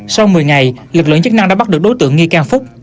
sau một mươi ngày lực lượng chức năng đã bắt được đối tượng nghi can phúc